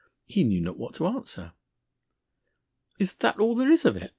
He knew not what to answer. "Is that all there is of it?"